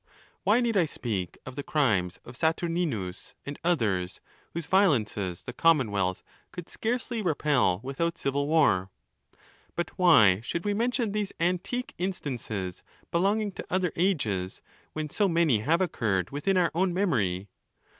Why need I speak of the crimes of Saturninus and others, whose violences the commonwealth could scarcely repel with out civil war? But why should we mention these antique in stances, belonging to other ages, when so many have occurred within our own memory?